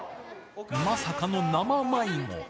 まさかの生迷子。